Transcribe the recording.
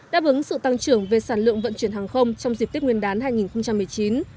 đáp ứng sự tăng trưởng về sản lượng vận chuyển hàng không trong dịp tết nguyên đán hai nghìn một mươi chín